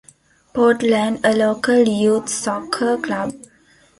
Portland, a local youth soccer club.